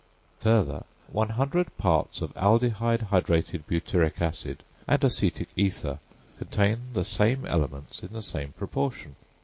Further, 100 parts of aldehyde hydrated butyric acid and acetic ether contain the same elements in the same proportion.